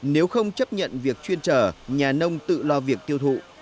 nếu không chấp nhận việc chuyên trở nhà nông tự lo việc tiêu thụ